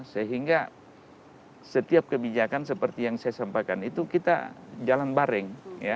sehingga setiap kebijakan seperti yang saya sampaikan itu kita jalan bareng